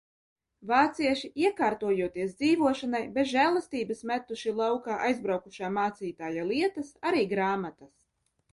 Vācieši, iekārtojoties dzīvošanai, bez žēlastības metuši laukā aizbraukušā mācītāja lietas, arī grāmatas.